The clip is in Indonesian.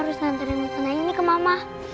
dengerin mukena ini ke mama